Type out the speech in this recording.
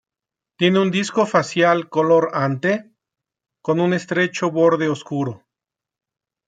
Tiene un disco facial color ante con un estrecho borde oscuro.